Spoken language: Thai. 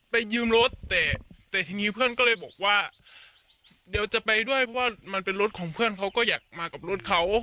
ยืมรถแต่แต่ทีนี้เพื่อนก็เลยบอกว่าเดี๋ยวจะไปด้วยเพราะว่ามันเป็นรถของเพื่อนเขาก็อยากมากับรถเขา